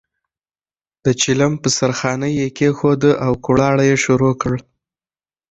د چلم په سر خانۍ یې کېښوده او کوړاړی یې شروع کړ.